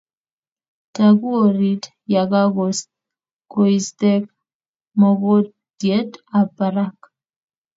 Taku oriti yakakoistake mokotyet ab barak'